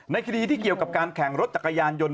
คดีที่เกี่ยวกับการแข่งรถจักรยานยนต์